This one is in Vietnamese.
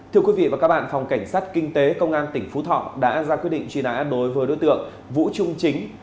thưa quý vị và các bạn phòng cảnh sát kinh tế công an tỉnh phú thọ đã ra quyết định truy nã đối với đối tượng vũ trung chính